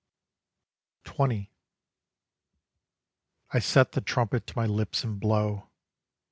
20 I set the trumpet to my lips and blow.